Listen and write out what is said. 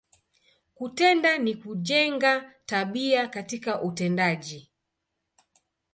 Kutenda, ni kujenga, tabia katika utendaji.